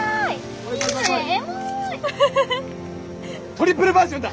トリプルバージョンだ！